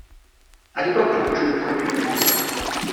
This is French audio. À l’époque où je ne pourrai plus me débrouiller.